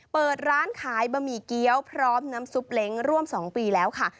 เปิดร้านขายบะหมี่เกี้ยวพร้อมน้ำซุปเล้งร่วม๒ปีแล้วค่ะ